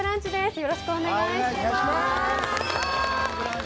よろしくお願いします。